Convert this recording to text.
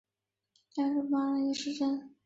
高拉马是巴西南大河州的一个市镇。